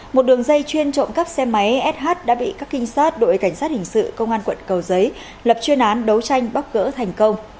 một đường dây chuyên trộm cắp xe máy sh đã bị các trinh sát đội cảnh sát hình sự công an quận cầu giấy lập chuyên án đấu tranh bóc gỡ thành công